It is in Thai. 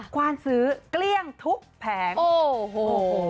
ความซื้อเกลี้ยงทุกแผงโอ้โห